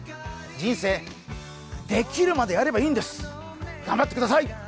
人生できるまでやればいいんです、頑張ってください！